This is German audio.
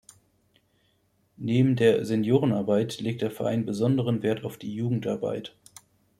Neben der Seniorenarbeit legt der Verein besonderen Wert auf die Jugendarbeit.